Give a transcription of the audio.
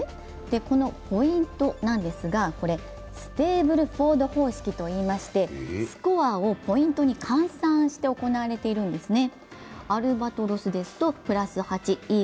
このポイントなんですが、ステーブルフォード方式といいましてスコアをポイントに換算して行われているんですね。